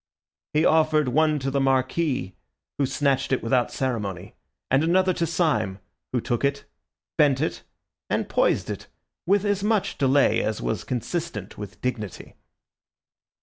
He offered one to the Marquis, who snatched it without ceremony, and another to Syme, who took it, bent it, and poised it with as much delay as was consistent with dignity.